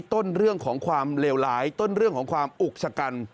เรื่องของความเลวร้ายต้นเรื่องของความอุกชะกัน